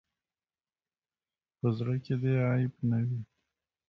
په زړۀ کې دې عیب نه وي.